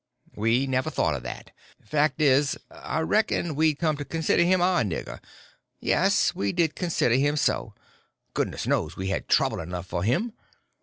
"We never thought of that. Fact is, I reckon we'd come to consider him our nigger; yes, we did consider him so—goodness knows we had trouble enough for him.